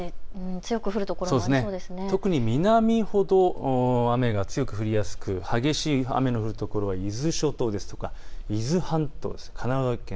特に南ほど雨が強く降りやすく激しい雨の降るところが伊豆諸島ですとか伊豆半島です。